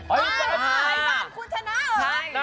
อ้ายอ้ายบ้านคุณชนะอย่ะ